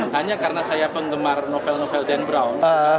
hanya karena saya penggemar novel novel dan brown